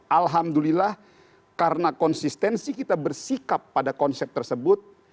alhamdulillah karena konsistensi kita bersikap pada konsep tersebut